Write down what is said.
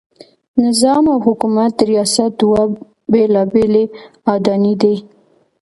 نظام او حکومت د ریاست دوه بېلابېلې اډانې دي.